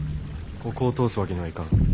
ここを通すわけにはいかん。